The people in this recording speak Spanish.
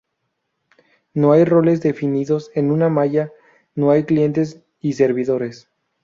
No hay roles definidos en una malla, no hay clientes y servidores.